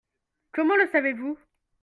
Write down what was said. Comment le savez-vous ?